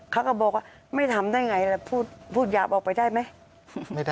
เขาก็บอกว่าไม่ทำได้ไงแล้วพูดหยาบออกไปได้ไหม